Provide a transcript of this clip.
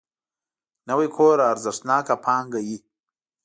نوی کور ارزښتناک پانګه وي